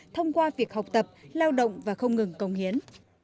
thông qua việc học tập lao động và không ngừng công hiến